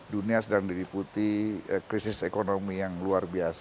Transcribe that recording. dunia sedang diriputi krisis ekonomi yang luar biasa